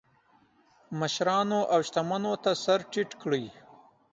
مشرانو او شتمنو ته سر ټیټ کړي.